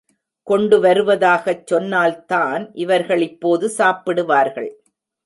கொண்டு வருவதாகச் சொன்னால்தான் இவர்கள் இப்போது சாப்பிடுவார்கள்.